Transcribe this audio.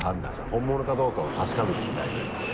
本物かどうかを確かめてみたいということで。